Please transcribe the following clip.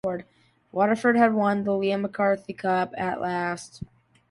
Waterford had won the Liam MacCarthy Cup at last.